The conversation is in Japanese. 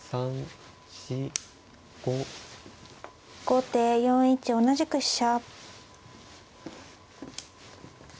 後手４一同じく飛車。